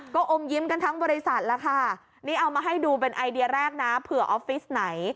ก็อมยิ้มกันทั้งบริษัทแล้วค่ะนี่เอามาให้ดูเป็นไอเดียแรกนะเผื่อออฟฟิศไหน